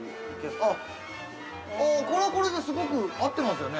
◆ああ、これはこれで、すごく合ってますよね。